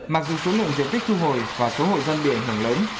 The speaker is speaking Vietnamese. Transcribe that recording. mặc dù số lượng diện tích thu hồi và số hộ dân bị ảnh hưởng lớn